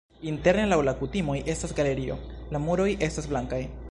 Interne laŭ la kutimoj estas galerio, la muroj estas blankaj.